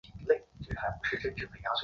委员会推举方宗鳌为代表中国大学。